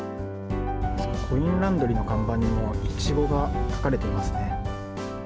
コインランドリーの看板にもイチゴが描かれていますね。